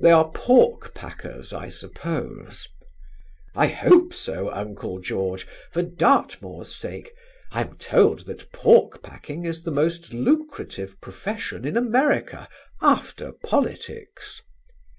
"They are pork packers, I suppose?" "I hope so, Uncle George, for Dartmoor's sake. I am told that pork packing is the most lucrative profession in America, after politics."